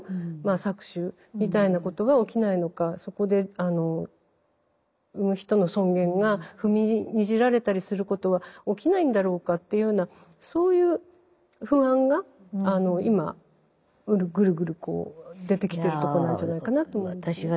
そこで産む人の尊厳が踏みにじられたりすることは起きないんだろうかっていうようなそういう不安が今ぐるぐるこう出てきてるとこなんじゃないかなと思いますね。